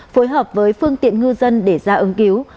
phối hợp với phương tiện ngư dân để ra ứng cứu